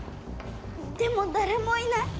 でも誰もいない。